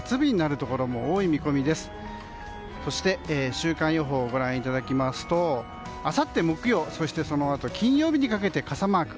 週間予報をご覧いただきますとあさって木曜そしてそのあと金曜日にかけて傘マーク。